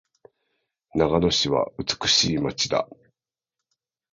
長野市は美しい街だ。